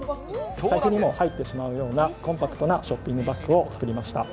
財布にも入ってしまうような、コンパクトなショッピングバッグを作りました。